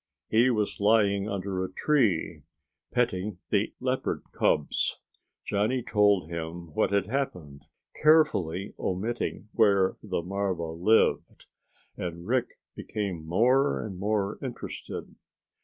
He was lying under a tree, petting the leopard cubs. Johnny told him what had happened, carefully omitting where the marva lived, and Rick became more and more interested.